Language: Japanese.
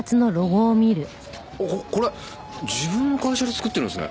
ここれ自分の会社で作ってるんですね。